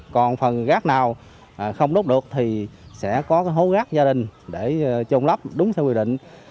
còn phần rác nào không đốt được thì sẽ có hố rác gia đình để trôn lấp đúng theo quy định